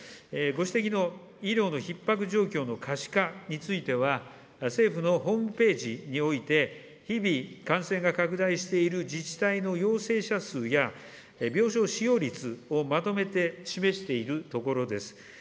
ご指摘の医療のひっ迫状況の可視化については、政府のホームページにおいて、日々感染が拡大している自治体の陽性者数や、病床使用率をまとめて示しているところです。